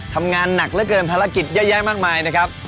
ทำงานหนักเหลือเกินภารกิจเยอะแยะมากมายนะครับ